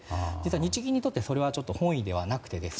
日銀にとってそれは本意ではなくてですね。